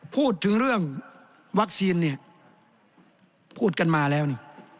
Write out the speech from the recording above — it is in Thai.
พูดถึงเรื่องวัคซีนเนี่ยพูดกันมาแล้วนี่